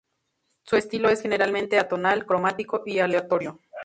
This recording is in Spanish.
Su estilo es generalmente atonal, cromático y aleatorio.